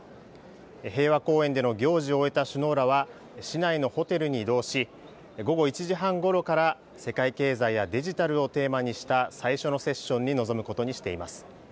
平和公園での行事を終えた首脳らは市内のホテルに移動し午後１時半ごろから世界経済やデジタルをテーマにした最初のセッションに臨むことにしています。